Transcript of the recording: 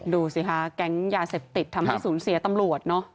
ดูสิคะแก๊งยาเสพติดทำให้สูญเสียตำรวจเนอะ